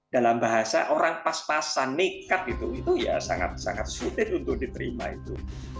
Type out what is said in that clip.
dalam bahasa orang pas pasan nekat gitu itu ya sangat sangat sulit untuk diterima itu